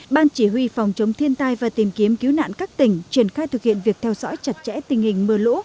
ban chỉ huy phòng chống thiên tai và tìm kiếm cứu nạn các tỉnh triển khai thực hiện việc theo dõi chặt chẽ tình hình mưa lũ